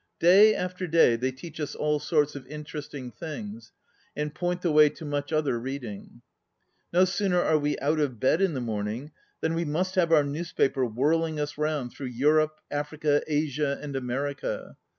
Day after day they teach us all sorts of interesting things and point the way to much other reading. No sooner are we out of bed in the morning than we must have our newspaper whirl ing us round through Europe, Africa, Asia, and America.